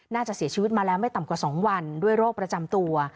น่าจะเสียชีวิตมาแล้วไม่ต่ำกว่า๒วันด้วยโรคประจำตัว